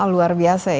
luar biasa ini